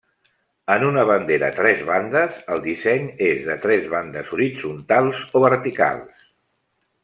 En una bandera tres bandes, el disseny és de tres bandes horitzontals o verticals.